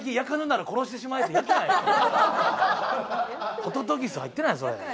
ホトトギス入ってないそれ。